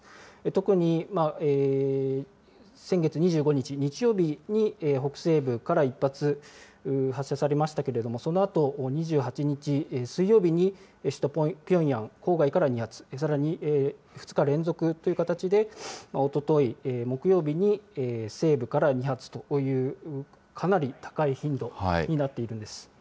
特に先月２５日日曜日に北西部から１発、発射されましたけれども、そのあと２８日水曜日に首都ピョンヤン郊外から２発、さらに２日連続という形で、おととい木曜日に西部から２発という、かなり高い頻度になっているんです。